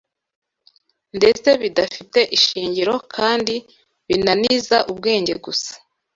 ndetse bidafite ishingiro kandi binaniza ubwenge gusa